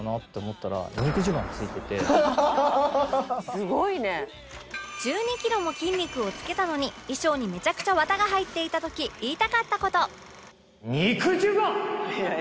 「すごいね」１２キロも筋肉をつけたのに衣装にめちゃくちゃ綿が入っていた時言いたかった事